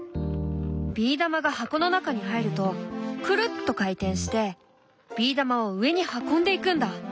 ビー玉が箱の中に入るとくるっと回転してビー玉を上に運んでいくんだ。